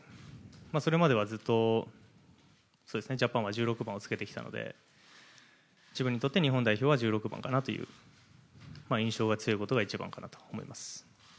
それまではずっと、ジャパンは１６番をつけてきたので自分にとって日本代表は１６番という印象が一番かなと思います。